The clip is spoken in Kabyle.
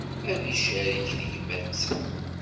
Ad tcerreg tegmat.